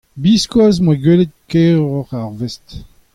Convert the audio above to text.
Biskoazh ne'm boa gwelet kaeroc'h arvest.